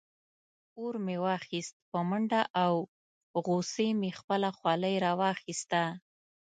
اور مې واخیست په منډه او غصې مې خپله خولۍ راواخیسته.